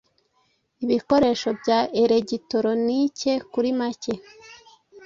ibikoresho bya elegitoronike kuri macye